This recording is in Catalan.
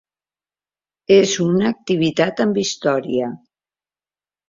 És una activitat amb història.